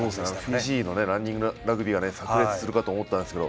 フィジーのランニングラグビーがさく裂するかと思ったんですが